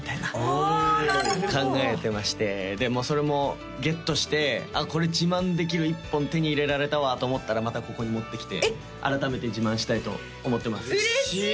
ああなるほど考えてましてでそれもゲットしてこれ自慢できる一本手に入れられたわと思ったらまたここに持ってきて改めて自慢したいと思ってます嬉しい！